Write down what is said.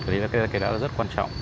thì cái đó là rất quan trọng